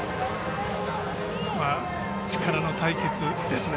力の対決ですね。